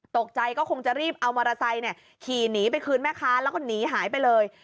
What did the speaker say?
ตกใจก็คงจะรีบเอามอเตอร์ไซค์ขี่หนีไปคืนแม่ค้าแล้วก็หนีหายไปเลย